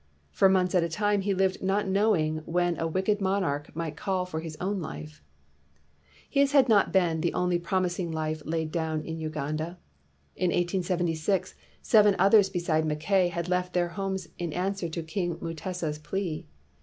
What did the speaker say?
For months at a time he lived not knowing when a wicked monarch might call for his own life. His has not been the only promising life laid down for Uganda. In 1876, seven others besides Mackay had left their homes 272 DID IT PAY? in answer to King Mutesa's plea.